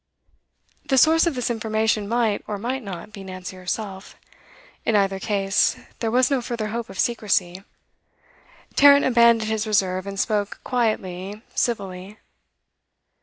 The source of this information might, or might not, be Nancy herself. In either case, there was no further hope of secrecy. Tarrant abandoned his reserve, and spoke quietly, civilly.